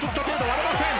割れません。